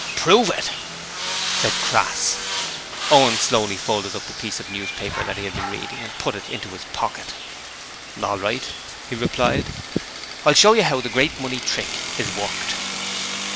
'Prove it,' said Crass. Owen slowly folded up the piece of newspaper he had been reading and put it into his pocket. 'All right,' he replied. 'I'll show you how the Great Money Trick is worked.'